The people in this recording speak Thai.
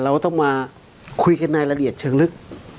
เราต้องมาคุยกันในละเอียดเชิงลึก